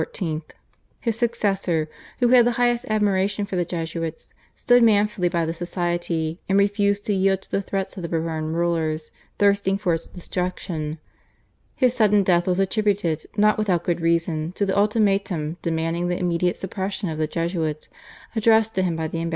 His successor, who had the highest admiration for the Jesuits, stood manfully by the Society, and refused to yield to the threats of the Bourbon rulers thirsting for its destruction. His sudden death was attributed not without good reason to the ultimatum, demanding the immediate suppression of the Jesuits, addressed to him by the ambassadors of France, Spain, and Naples.